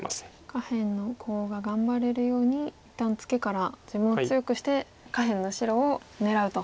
下辺のコウが頑張れるように一旦ツケから自分を強くして下辺の白を狙うと。